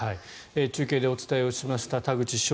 中継でお伝えをしました田口翔